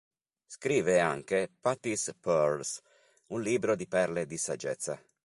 Scrive anche "Patti's pearls", un libro di perle di saggezza.